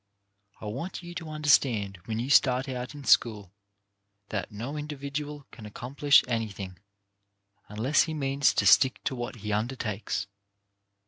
I want you to understand when you start out in school, that no individual can accomplish anything unless he means to stick to what he undertakes.